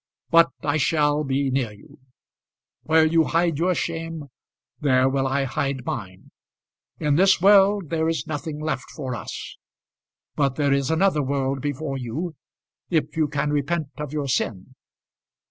"But I shall be near you. Where you hide your shame there will I hide mine. In this world there is nothing left for us. But there is another world before you, if you can repent of your sin."